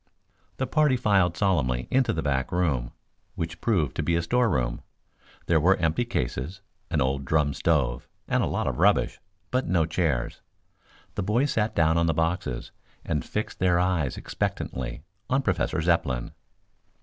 The party filed solemnly into the back room, which proved to be a store room. There were empty cases, an old drum stove and a lot of rubbish, but no chairs. The boys sat down on the boxes, and fixed their eyes expectantly on Professor Zepplin.